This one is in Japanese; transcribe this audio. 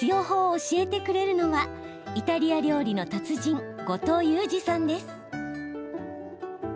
法を教えてくれるのはイタリア料理の達人後藤祐司さんです。